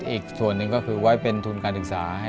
อีกส่วนหนึ่งก็คือไว้เป็นทุนการศึกษาให้